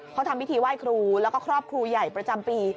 เขาทำพิธีไหว้ครูแล้วก็ครอบครูใหญ่ประจำปี